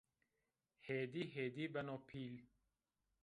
Hêdî-hêdî beno pîl